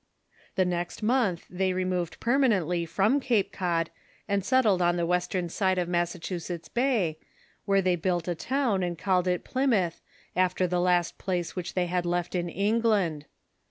The next month they removed permanently from Cape Cod, and settled on the western side of Massachusetts Bay, where they built a town, and called it Plymouth, after the last place which they had left in England.